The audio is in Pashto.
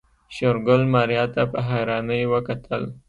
شېرګل ماريا ته په حيرانۍ وکتل.